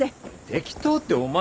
適当ってお前。